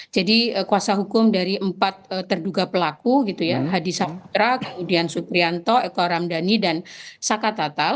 jadi kuasa hukum dari empat terduga pelaku gitu ya hadi sabra kemudian suprianto eko ramdhani dan saka tatal